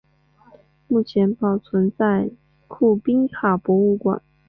目前保存在库宾卡博物馆。